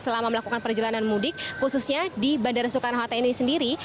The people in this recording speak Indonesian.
selama melakukan perjalanan mudik khususnya di bandara soekarno hatta ini sendiri